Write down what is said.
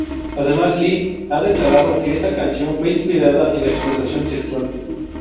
Además Lee, ha declarado que esta canción fue inspirada en la explotación sexual.